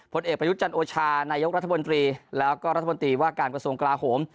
ผลเอกประยุทธ์จันโอชานายกรัฐมนตรีแล้วก็รัฐมนตรีว่าการกระทรวงกลาโหม